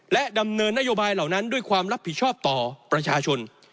และดำเนินนโยบายเหล่านั้นด้วยความรับผิดชอบต่อประชาชน